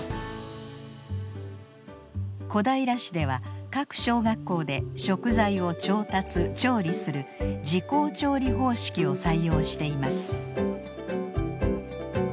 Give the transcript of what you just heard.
小平市では各小学校で食材を調達調理する自校調理方式を採用しています。